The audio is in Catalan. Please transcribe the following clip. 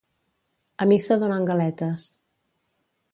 A missa donen galetes.